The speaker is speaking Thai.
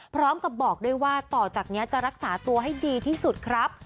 พร้อมกับบอกด้วยว่าต่อจากนี้จะรักษาตัวให้ดีที่สุดครับ